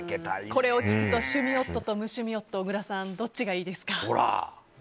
これを聞くと趣味夫と無趣味夫小倉さん、どっちがいいですか？